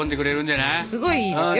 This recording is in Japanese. すごいいいですよ